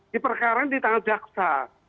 di perkara di tangan jaksa